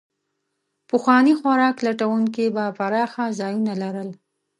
پخواني خوراک لټونکي به پراخه ځایونه لرل.